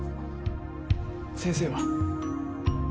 先生は？